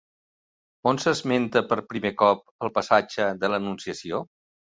On s'esmenta per primer cop el passatge de l'Anunciació?